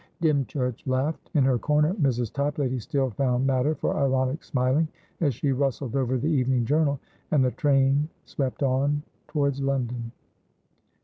Dymchurch laughed. In her corner, Mrs. Toplady still found matter for ironic smiling as she rustled over the evening journal; and the train swept on towards London.